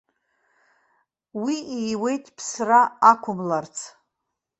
Уи ииуеит ԥсра ақәымларц.